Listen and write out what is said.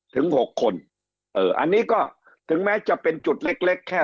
หกคนเอออันนี้ก็ถึงแม้จะเป็นจุดเล็กเล็กแค่